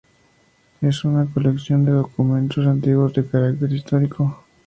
Es una colección de documentos antiguos de carácter histórico.